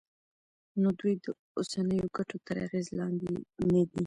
نو دوی د اوسنیو ګټو تر اغېز لاندې ندي.